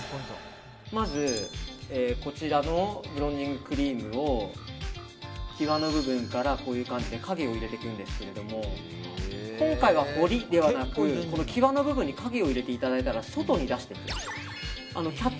まずこちらのブロンジングクリームを際の部分から影を入れていくんですけど今回は彫りではなく際の部分に影を入れていただいたら外に出していきます。